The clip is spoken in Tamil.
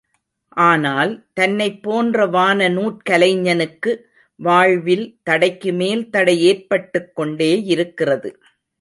ஆனால், தன்னைப் போன்ற வான நூற்கலைஞனுக்கு, வாழ்வில் தடைக்கு மேல் தடை ஏற்பட்டுக் கொண்டேயிருக்கிறது.